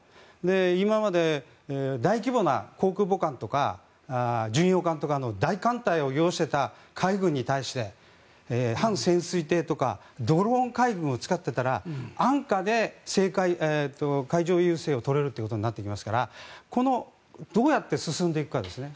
今まで大規模な航空母艦とか巡洋艦とか大艦隊を擁していた海軍に対して半潜水艇とかドローン海軍を使っていたら安価で海上優勢を取れるということになってきますからどうやって進んでいくかですね。